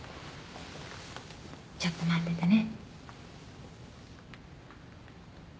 ちょっと待っててね。